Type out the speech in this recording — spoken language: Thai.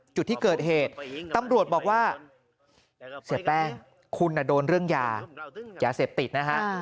จุดที่เกิดเหตุตำรวจบอกว่าเสียแป้งคุณโดนเรื่องยายาเสพติดนะฮะ